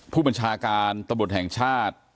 ผู้บัญชาการตะบดแห่งชาติ